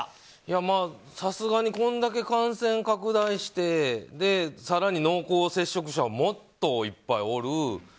さすがにこれだけ感染拡大して更に濃厚接触者はもっといっぱいおる。